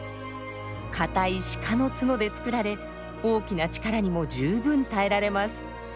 堅い鹿の角で作られ大きな力にも十分耐えられます。